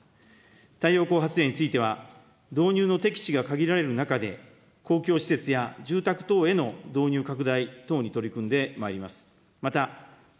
太陽光発電については、導入の適地が限られる中で、公共施設や住宅等への導入拡大等に取り組んでまいります。